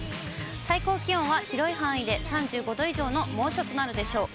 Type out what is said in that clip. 最高気温は広い範囲で３５度以上の猛暑となるでしょう。